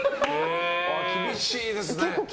厳しいですね。